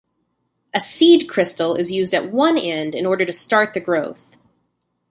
A seed crystal is used at one end in order to start the growth.